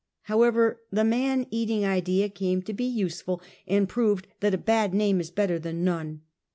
However, the man eating idea came to be useful, and proved that a bad name is better than none.